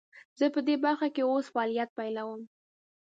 زه پدي برخه کې اوس فعالیت پیلوم.